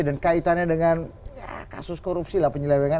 dan kaitannya dengan kasus korupsi lah penyelewengan